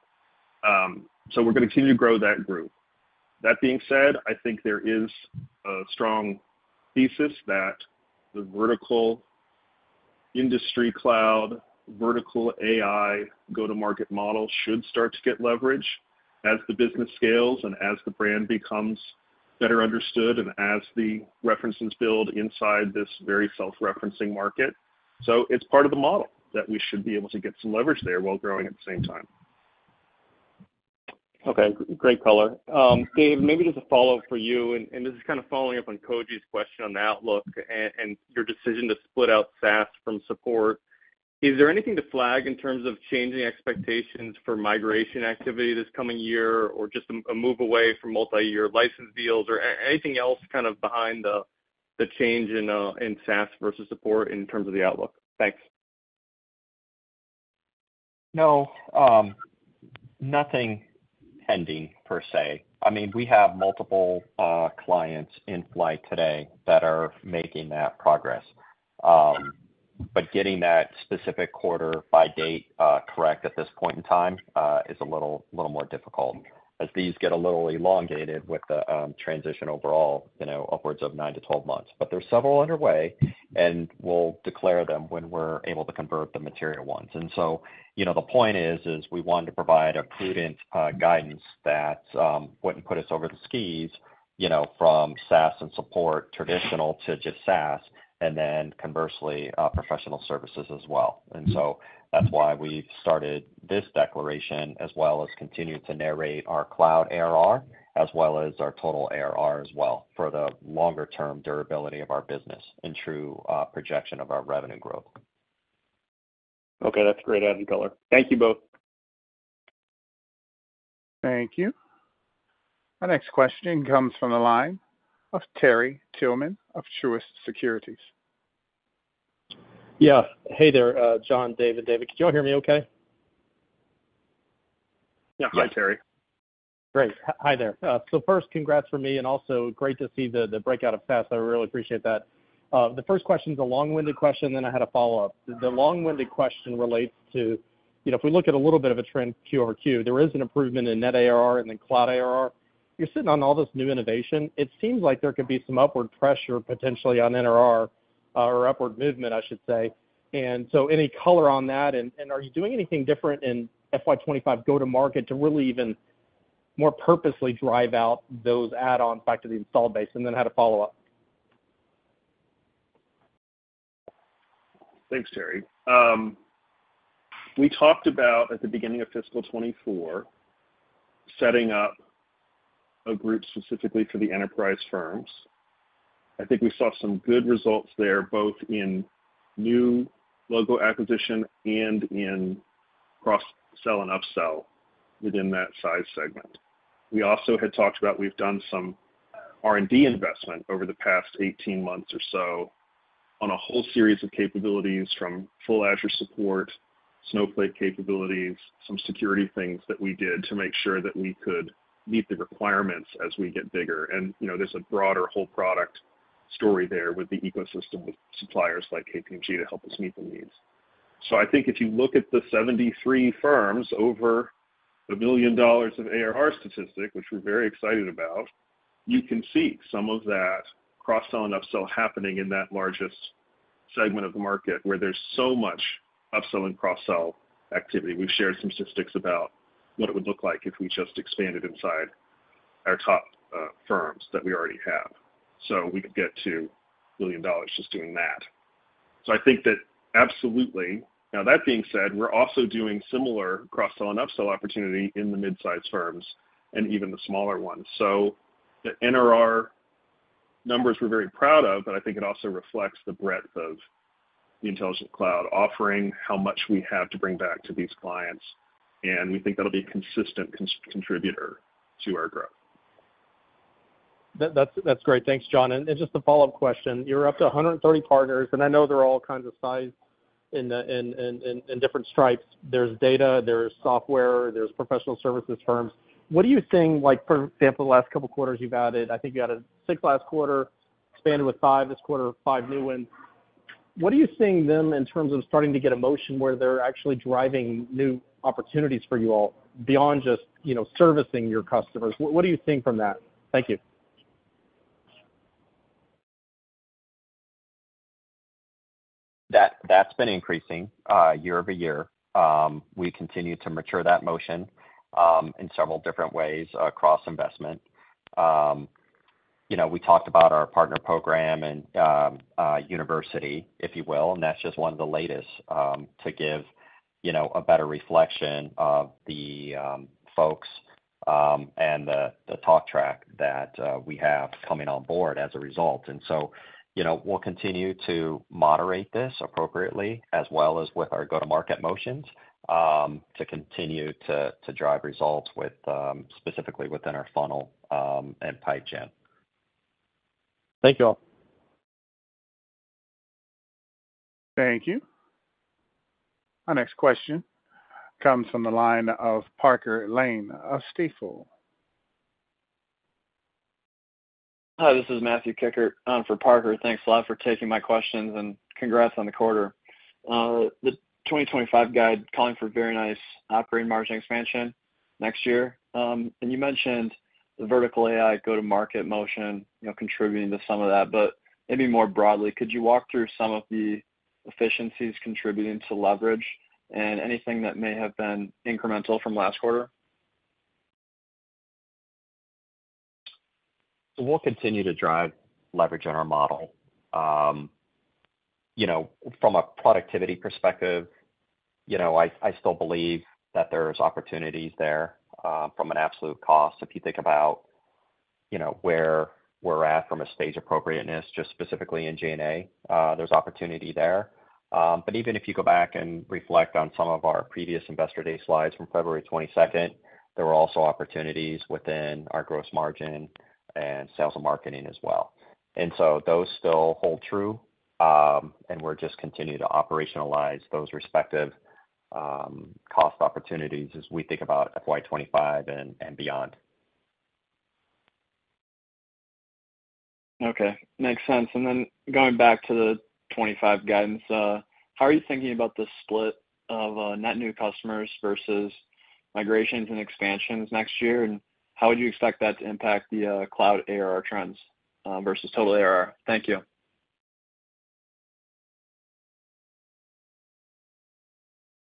So we're gonna continue to grow that group. That being said, I think there is a strong thesis that the vertical industry cloud, vertical AI go-to-market model should start to get leverage as the business scales and as the brand becomes better understood and as the references build inside this very self-referencing market. So it's part of the model that we should be able to get some leverage there while growing at the same time. Okay, great color. Dave, maybe just a follow-up for you, and this is kind of following up on Koji's question on the outlook and your decision to split out SaaS from support. Is there anything to flag in terms of changing expectations for migration activity this coming year, or just a move away from multi-year license deals, or anything else kind of behind the change in SaaS versus support in terms of the outlook? Thanks. No, nothing pending, per se. I mean, we have multiple, clients in flight today that are making that progress. But getting that specific quarter by date, correct at this point in time, is a little, little more difficult, as these get a little elongated with the, transition overall, you know, upwards of 9-12 months. But there's several underway, and we'll declare them when we're able to convert the material ones. And so, you know, the point is, is we wanted to provide a prudent, guidance that, wouldn't put us over the skis, you know, from SaaS and support traditional to just SaaS, and then conversely, professional services as well. That's why we've started this declaration, as well as continued to narrate our cloud ARR, as well as our total ARR as well, for the longer term durability of our business and true projection of our revenue growth. Okay, that's great added color. Thank you both. Thank you. Our next question comes from the line of Terry Tillman of Truist Securities. Yeah. Hey there, John, David, David, can you all hear me okay? Yeah. Hi, Terry. Great. Hi there. So first, congrats from me, and also great to see the breakout of SaaS. I really appreciate that. The first question is a long-winded question, then I had a follow-up. The long-winded question relates to, you know, if we look at a little bit of a trend Q over Q, there is an improvement in net ARR and then cloud ARR.... you're sitting on all this new innovation, it seems like there could be some upward pressure potentially on NRR, or upward movement, I should say. And are you doing anything different in FY 25 go-to-market to really even more purposely drive out those add-ons back to the installed base, and then I had a follow-up. Thanks, Terry. We talked about at the beginning of fiscal 2024, setting up a group specifically for the enterprise firms. I think we saw some good results there, both in new logo acquisition and in cross-sell and upsell within that size segment. We also had talked about we've done some R&D investment over the past 18 months or so on a whole series of capabilities, from full Azure support, Snowflake capabilities, some security things that we did to make sure that we could meet the requirements as we get bigger. And, you know, there's a broader whole product story there with the ecosystem, with suppliers like KPMG to help us meet the needs. So I think if you look at the 73 firms over $1 billion of ARR statistic, which we're very excited about, you can see some of that cross-sell and upsell happening in that largest segment of the market where there's so much upsell and cross-sell activity. We've shared some statistics about what it would look like if we just expanded inside our top firms that we already have. So we could get to $1 billion just doing that. So I think that absolutely. Now, that being said, we're also doing similar cross-sell and upsell opportunity in the mid-sized firms and even the smaller ones. So the NRR numbers we're very proud of, but I think it also reflects the breadth of the Intelligent Cloud offering, how much we have to bring back to these clients, and we think that'll be a consistent contributor to our growth. That's, that's great. Thanks, John. And, and just a follow-up question: You're up to 130 partners, and I know they're all kinds of size and, and, and, and different stripes. There's data, there's software, there's professional services firms. What are you seeing like, for example, the last couple quarters you've added, I think you added 6 last quarter, expanded with 5 this quarter, 5 new ones. What are you seeing them in terms of starting to get a motion where they're actually driving new opportunities for you all beyond just, you know, servicing your customers? What, what are you seeing from that? Thank you. That, that's been increasing year-over-year. We continue to mature that motion in several different ways across investment. You know, we talked about our partner program and university, if you will, and that's just one of the latest to give, you know, a better reflection of the folks and the talk track that we have coming on board as a result. And so, you know, we'll continue to moderate this appropriately, as well as with our go-to-market motions to continue to drive results with specifically within our funnel and pipe chain. Thank you all. Thank you. Our next question comes from the line of Parker Lane of Stifel. Hi, this is Matthew Kikkert in for Parker. Thanks a lot for taking my questions, and congrats on the quarter. The 2025 guide calling for very nice operating margin expansion next year. And you mentioned the vertical AI go-to-market motion, you know, contributing to some of that. But maybe more broadly, could you walk through some of the efficiencies contributing to leverage and anything that may have been incremental from last quarter? So we'll continue to drive leverage in our model. You know, from a productivity perspective, you know, I, I still believe that there's opportunities there, from an absolute cost. If you think about, you know, where we're at from a stage appropriateness, just specifically in G&A, there's opportunity there. But even if you go back and reflect on some of our previous Investor Day slides from February 22, there were also opportunities within our gross margin and sales and marketing as well. And so those still hold true, and we're just continuing to operationalize those respective, cost opportunities as we think about FY 25 and beyond. Okay. Makes sense. And then going back to the 25 guidance, how are you thinking about the split of net new customers versus migrations and expansions next year? And how would you expect that to impact the cloud ARR trends versus total ARR? Thank you.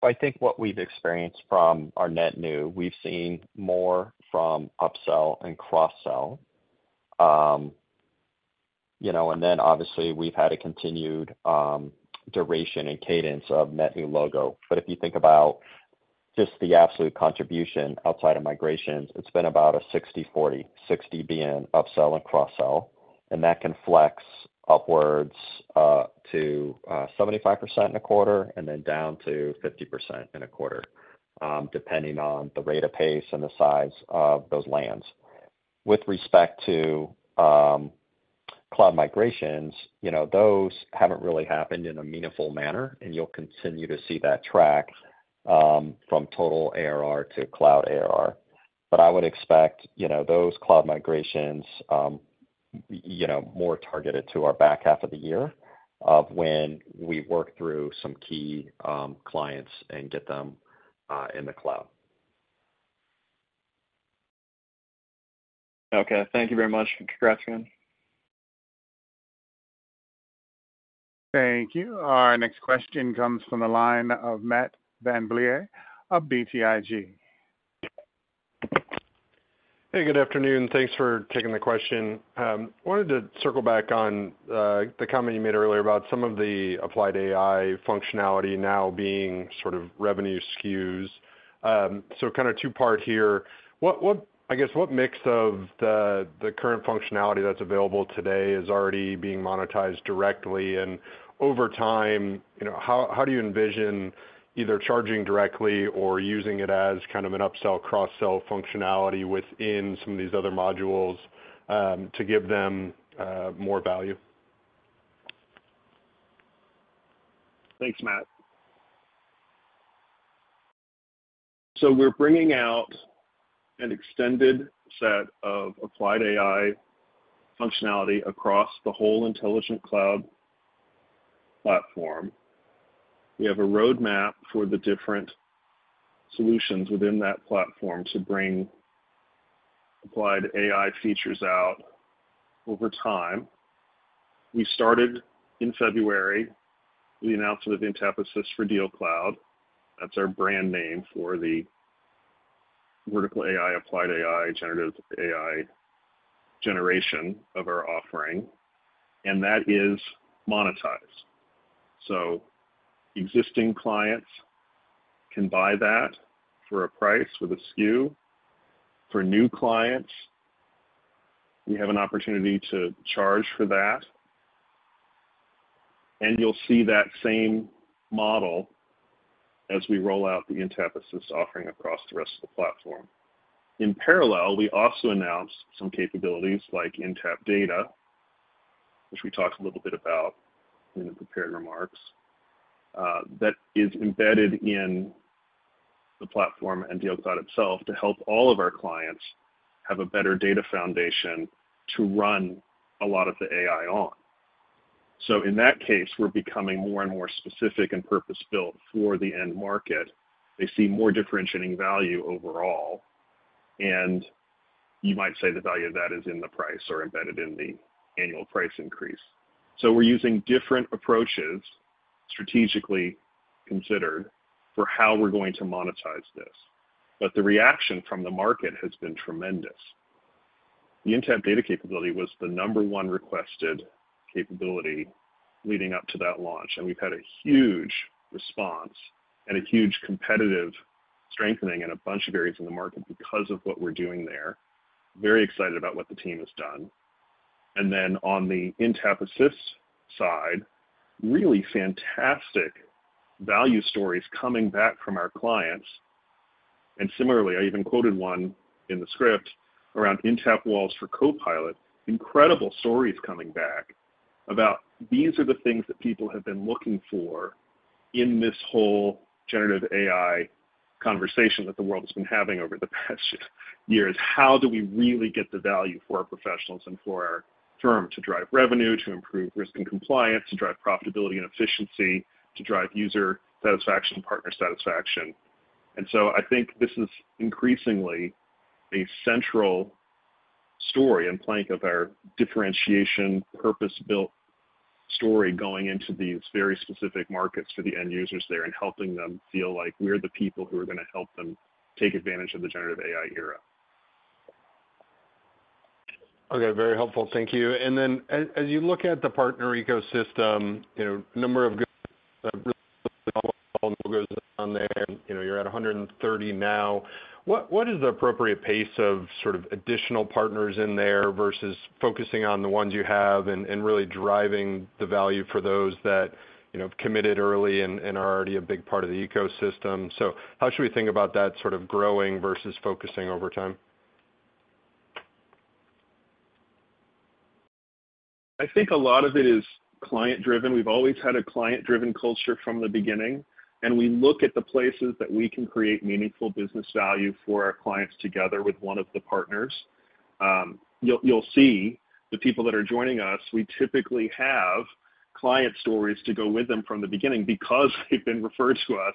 I think what we've experienced from our net new, we've seen more from upsell and cross-sell. You know, and then obviously, we've had a continued duration and cadence of net new logo. But if you think about just the absolute contribution outside of migrations, it's been about a 60/40. 60 being upsell and cross-sell, and that can flex upwards to 75% in a quarter and then down to 50% in a quarter, depending on the rate of pace and the size of those lands. With respect to cloud migrations, you know, those haven't really happened in a meaningful manner, and you'll continue to see that track from total ARR to cloud ARR. But I would expect, you know, those cloud migrations,... you know, more targeted to our back half of the year, of when we work through some key clients and get them in the cloud. Okay, thank you very much. Congratulations. Thank you. Our next question comes from the line of Matt VanVliet of BTIG. Hey, good afternoon. Thanks for taking the question. Wanted to circle back on, the comment you made earlier about some of the Applied AI functionality now being sort of revenue SKUs. So kind of two-part here. What -- I guess, what mix of the current functionality that's available today is already being monetized directly? And over time, you know, how do you envision either charging directly or using it as kind of an upsell, cross-sell functionality within some of these other modules, to give them more value? Thanks, Matt. So we're bringing out an extended set of applied AI functionality across the whole Intelligent Cloud platform. We have a roadmap for the different solutions within that platform to bring applied AI features out over time. We started in February. We announced the Intapp Assist for DealCloud. That's our brand name for the vertical AI, applied AI, generative AI generation of our offering, and that is monetized. So existing clients can buy that for a price with a SKU. For new clients, we have an opportunity to charge for that. And you'll see that same model as we roll out the Intapp Assist offering across the rest of the platform. In parallel, we also announced some capabilities like Intapp Data, which we talked a little bit about in the prepared remarks, that is embedded in the platform and DealCloud itself, to help all of our clients have a better data foundation to run a lot of the AI on. So in that case, we're becoming more and more specific and purpose-built for the end market. They see more differentiating value overall, and you might say the value of that is in the price or embedded in the annual price increase. So we're using different approaches, strategically considered, for how we're going to monetize this. But the reaction from the market has been tremendous. The Intapp Data capability was the number one requested capability leading up to that launch, and we've had a huge response and a huge competitive strengthening in a bunch of areas in the market because of what we're doing there. Very excited about what the team has done. And then on the Intapp Assist side, really fantastic value stories coming back from our clients. And similarly, I even quoted one in the script around Intapp Walls for Copilot. Incredible stories coming back about these are the things that people have been looking for in this whole generative AI conversation that the world has been having over the past years. How do we really get the value for our professionals and for our firm to drive revenue, to improve risk and compliance, to drive profitability and efficiency, to drive user satisfaction, partner satisfaction? And so I think this is increasingly a central story and plank of our differentiation, purpose-built story going into these very specific markets for the end users there, and helping them feel like we're the people who are going to help them take advantage of the generative AI era. Okay, very helpful. Thank you. And then as you look at the partner ecosystem, you know, number of good on there, you know, you're at 130 now. What is the appropriate pace of sort of additional partners in there versus focusing on the ones you have and really driving the value for those that, you know, committed early and are already a big part of the ecosystem? So how should we think about that sort of growing versus focusing over time? I think a lot of it is client-driven. We've always had a client-driven culture from the beginning, and we look at the places that we can create meaningful business value for our clients together with one of the partners. You'll, you'll see the people that are joining us, we typically have client stories to go with them from the beginning because they've been referred to us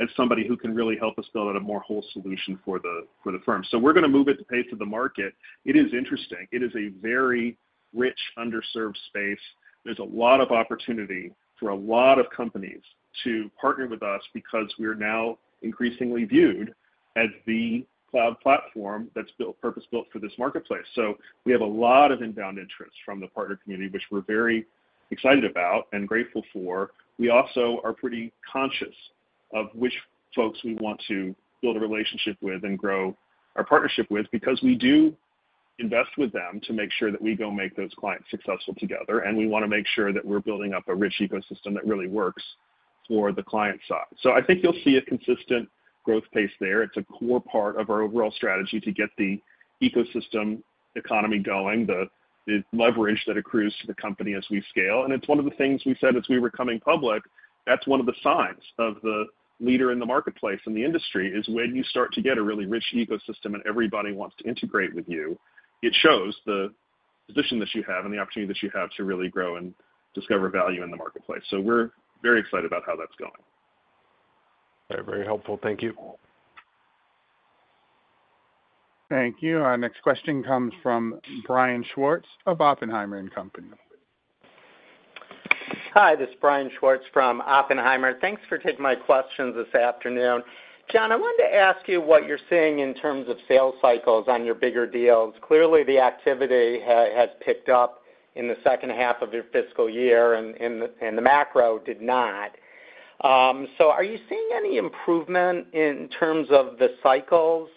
as somebody who can really help us build out a more whole solution for the, for the firm. So we're going to move at the pace of the market. It is interesting. It is a very rich, underserved space. There's a lot of opportunity for a lot of companies to partner with us because we are now increasingly viewed as the cloud platform that's built, purpose-built for this marketplace. So we have a lot of inbound interest from the partner community, which we're very excited about and grateful for. We also are pretty conscious of which folks we want to build a relationship with and grow our partnership with, because we do invest with them to make sure that we go make those clients successful together, and we want to make sure that we're building up a rich ecosystem that really works for the client side. So I think you'll see a consistent growth pace there. It's a core part of our overall strategy to get the ecosystem economy going, the, the leverage that accrues to the company as we scale. And it's one of the things we said as we were coming public. That's one of the signs of the leader in the marketplace and the industry, is when you start to get a really rich ecosystem and everybody wants to integrate with you, it shows the position that you have and the opportunity that you have to really grow and discover value in the marketplace. So we're very excited about how that's going. Very helpful. Thank you. Thank you. Our next question comes from Brian Schwartz of Oppenheimer & Co. Hi, this is Brian Schwartz from Oppenheimer. Thanks for taking my questions this afternoon. John, I wanted to ask you what you're seeing in terms of sales cycles on your bigger deals. Clearly, the activity has picked up in the second half of your fiscal year, and the macro did not. So are you seeing any improvement in terms of the cycles,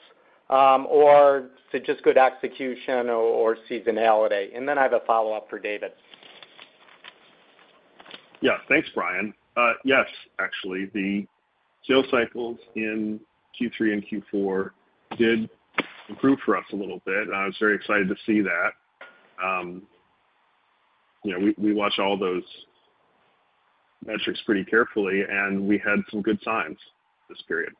or is it just good execution or seasonality? And then I have a follow-up for David. Yeah. Thanks, Brian. Yes, actually, the sales cycles in Q3 and Q4 did improve for us a little bit, and I was very excited to see that. You know, we watch all those metrics pretty carefully, and we had some good signs this period.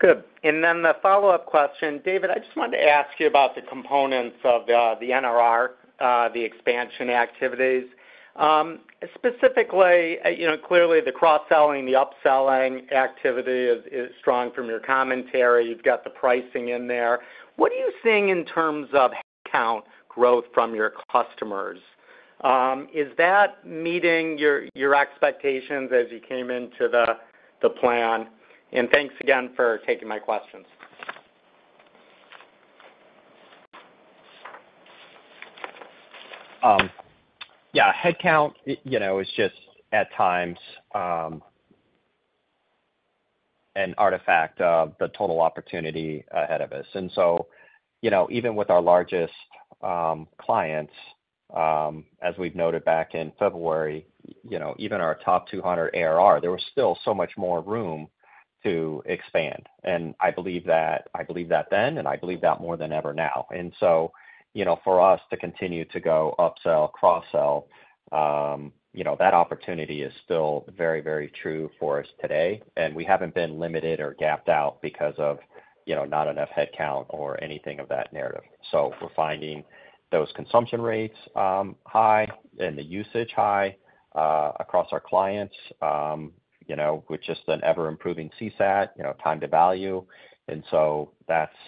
Good. Then the follow-up question, David, I just wanted to ask you about the components of the NRR, the expansion activities. Specifically, you know, clearly, the cross-selling, the upselling activity is strong from your commentary. You've got the pricing in there. What are you seeing in terms of headcount growth from your customers? Is that meeting your expectations as you came into the plan? And thanks again for taking my questions. Yeah, headcount, you know, is just, at times, an artifact of the total opportunity ahead of us. And so, you know, even with our largest clients, as we've noted back in February, you know, even our top 200 ARR, there was still so much more room to expand, and I believe that. I believed that then, and I believe that more than ever now. And so, you know, for us to continue to go upsell, cross-sell, you know, that opportunity is still very, very true for us today, and we haven't been limited or gapped out because of, you know, not enough headcount or anything of that narrative. So we're finding those consumption rates high and the usage high across our clients, you know, with just an ever-improving CSAT, you know, time to value. And so that's-